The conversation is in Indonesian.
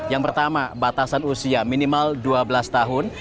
yang pertama batasan usia minimal dua belas tahun